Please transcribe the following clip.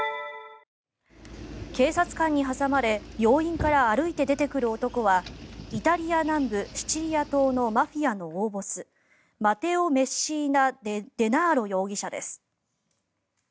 警察官に挟まれ病院から歩いて出てくる男はイタリア南部シチリア島のマフィアの大ボスマテオ・メッシーナ・デナーロ容疑者です。